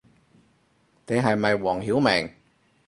你係咪黃曉明